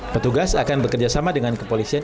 petugas akan bekerjasama dengan kepolisian